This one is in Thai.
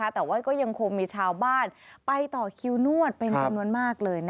แต่ว่าก็ยังคงมีชาวบ้านไปต่อคิวนวดเป็นจำนวนมากเลย